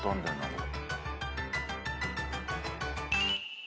これ。